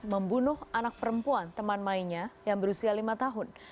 membunuh anak perempuan teman mainnya yang berusia lima tahun